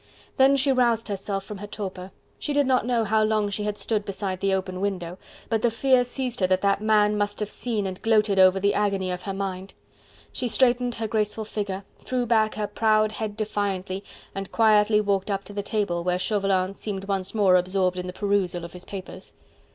Then she roused herself from her torpor: she did not know how long she had stood beside the open window, but the fear seized her that that man must have seen and gloated over the agony of her mind. She straightened her graceful figure, threw back her proud head defiantly, and quietly walked up to the table, where Chauvelin seemed once more absorbed in the perusal of his papers.